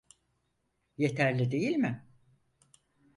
Yeterli değil mi?